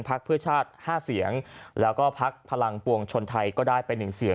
พักเพื่อชาติ๕เสียงแล้วก็พักพลังปวงชนไทยก็ได้ไป๑เสียง